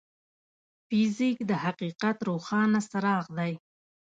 فزیک د حقیقت روښانه څراغ دی.